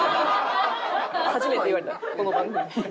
初めて言われたこの番組で。